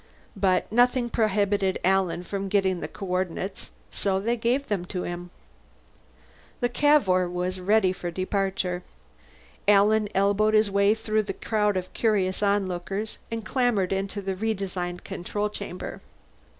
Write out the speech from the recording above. But nothing prohibited Alan from getting the coordinates, and so they gave them to him. The Cavour was ready for the departure. Alan elbowed his way through the crowd of curious onlookers and clambered into the redesigned control chamber.